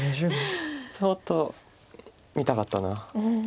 ちょっと見たかったな。